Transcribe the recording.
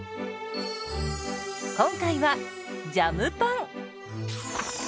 今回はジャムパン。